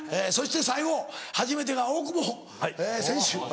そして最後初めてが大久保選手。